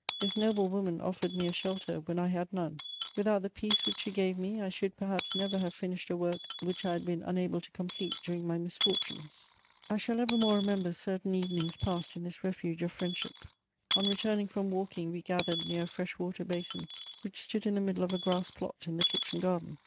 This noble woman offered me a shelter when I had none: without the peace which she gave me, I should perhaps never have finished a work which I had been unable to complete during my misfortunes. I shall evermore remember certain evenings passed in this refuge of friendship: on returning from walking we gathered near a fresh water basin, which stood in the middle of a grass plot in the kitchen garden.